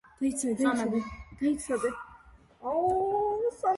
გლაზუნოვი ასევე ეწეოდა პედაგოგიურ მოღვაწეობას სანქტ-პეტერბურგის კონსერვატორიაში.